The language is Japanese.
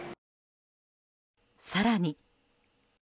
更に。